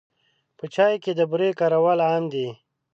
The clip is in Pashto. په چای کې د بوري کارول عام دي.